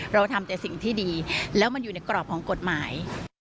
เราทำแต่สิ่งที่ดีแล้วมันอยู่ในกรอบของกฎหมาย